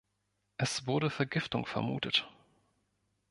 Es wurde Vergiftung vermutet.